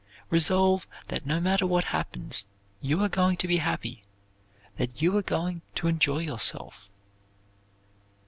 Resolve that no matter what happens you are going to be happy; that you are going to enjoy yourself.